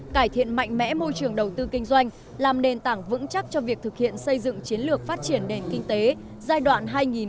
cải thiện mạnh mẽ môi trường đầu tư kinh doanh làm nền tảng vững chắc cho việc thực hiện xây dựng chiến lược phát triển đền kinh tế giai đoạn hai nghìn hai mươi hai nghìn ba mươi